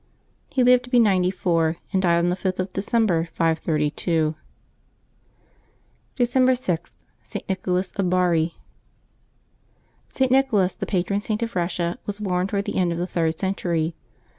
He lived to be ninety four, and died on the oth of December, 532. December 6.— ST. NICHOLAS OF BARI. [t. Nicholas^ the patron Saint of Eussia, was born toward the end of the third century.